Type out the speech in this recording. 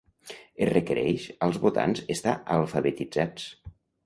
Es requereix als votants estar alfabetitzats.